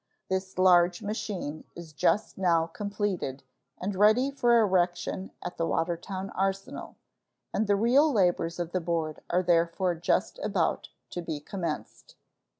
This large machine is just now completed and ready for erection at the Watertown Arsenal, and the real labors of the board are therefore just about to be commenced.